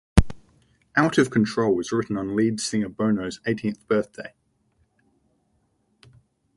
"Out of Control" was written on lead singer Bono's eighteenth birthday.